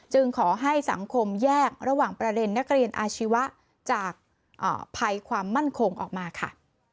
ขอให้สังคมแยกระหว่างประเด็นนักเรียนอาชีวะจากภัยความมั่นคงออกมาค่ะ